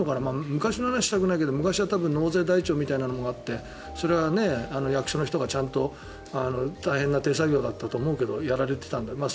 昔の話したくないけど昔は納税台帳みたいのがあってそれは役所の人がちゃんと大変な手作業でやられていたんだけど。